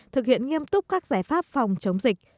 thực hiện nghiêm túc các giải pháp phòng chống dịch